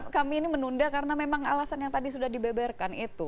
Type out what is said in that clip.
kami ini menunda karena memang alasan yang tadi sudah dibeberkan itu